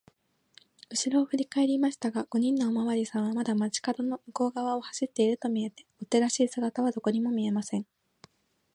うしろをふりかえりましたが、五人のおまわりさんはまだ町かどの向こうがわを走っているとみえて、追っ手らしい姿はどこにも見えません。